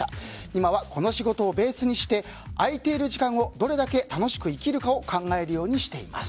今はこの仕事をベースにして空いている時間をどれだけ楽しく生きるかを考えるようにしています。